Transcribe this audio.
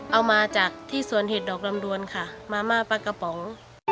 เอามาจากที่สวนเห็ดดอกลำดวนค่ะมาม่าปลากระป๋อง